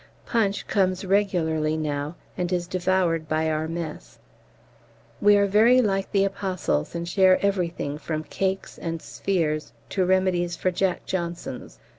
'Punch' comes regularly now and is devoured by our Mess. We are very like the apostles, and share everything from cakes and 'Spheres' to remedies for "Jack Johnsons."